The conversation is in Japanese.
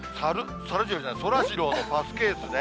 さるジローじゃない、そらジローのパスケースね。